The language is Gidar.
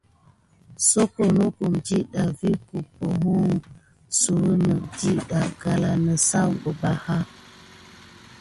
Soko nokum ɗiɗɑ vi guboho suyune net ɗiɗa alan nisaku bebaya.